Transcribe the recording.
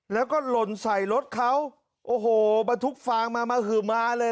แล้วก็หล่นใส่รถเขาโอ้โหบรรทุกฟางมามาหือมาเลย